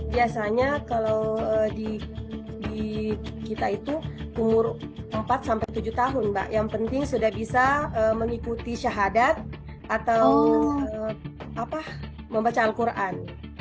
biasanya kalau di kita itu umur empat sampai tujuh tahun mbak yang penting sudah bisa mengikuti syahadat atau membaca al quran